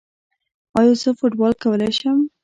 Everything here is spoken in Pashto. ایا زه فوټبال کولی شم؟